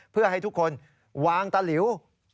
เพื่อให้ทุกคนวางตะหลิว